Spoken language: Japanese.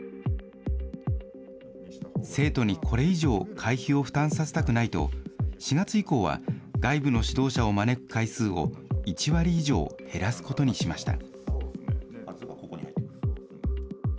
生徒にこれ以上、会費を負担させたくないと、４月以降は外部の指導者を招く回数を、１割以上減らすことにしました。